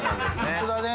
本当だね